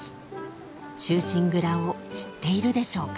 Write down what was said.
「忠臣蔵」を知っているでしょうか？